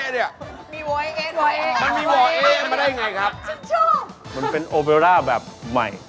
เดี๋ยวปกติโอเปรลร้าเนี่ย